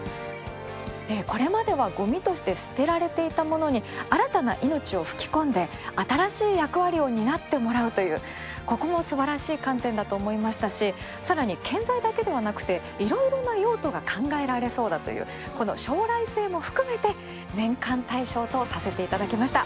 これまでは、ごみとして捨てられていたものに新たな命を吹き込んで、新しい役割を担ってもらうという、ここもすばらしい観点だと思いましたしさらに建材だけではなくて、いろいろな用途が考えられそうだという、この将来性も含めて年間大賞とさせていただきました。